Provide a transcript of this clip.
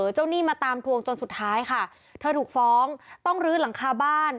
หนี้มาตามทวงจนสุดท้ายค่ะเธอถูกฟ้องต้องลื้อหลังคาบ้าน